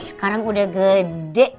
sekarang udah gede